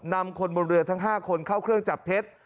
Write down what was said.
นำคนบนเรือทั้ง๕คนเข้าเครื่องจับเท็จ